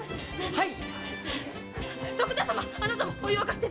はい！